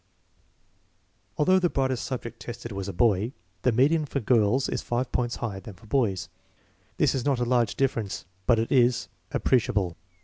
5 AMONG KINDERGARTEN CHILDREN 35 Although the brightest subject tested was a boy, the median for girls is five points higher than for boys. This is not a large difference, but it is appreciable.